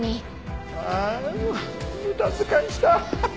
ああもう無駄遣いした。